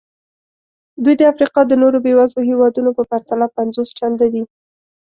دوی د افریقا د نورو بېوزلو هېوادونو په پرتله پنځوس چنده دي.